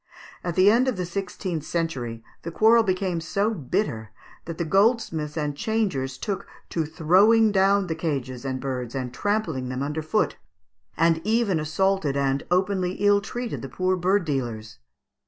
At the end of the sixteenth century the quarrel became so bitter that the goldsmiths and changers took to "throwing down the cages and birds and trampling them under foot," and even assaulted and openly ill treated the poor bird dealers.